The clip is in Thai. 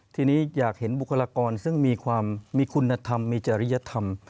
ทีนี้อยากเห็นบุคลากรซึ่งมีความมีคุณธรรมมีจริยธรรม